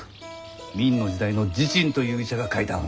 明の時代の時珍という医者が書いた本。